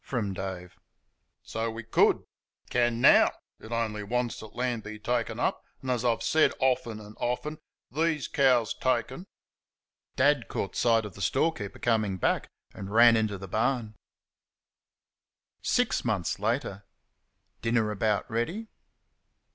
from Dave. "So we COULD...Can NOW...It only wants that land to be taken up; and, as I've said often and often, these cows taken " Dad caught sight of the storekeeper coming back, and ran into the barn. Six months later. Dinner about ready.